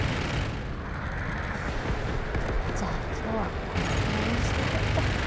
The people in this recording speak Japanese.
じゃあ今日はこれくらいにしておこっか。